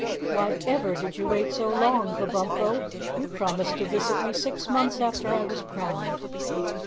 "Why ever did you wait so long, Kabumpo? You promised to visit me six months after I was crowned."